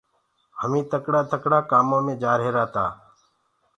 هميٚ تڪڙي ٿڪڙي ڪآمو مي جآرهيرآ تآ۔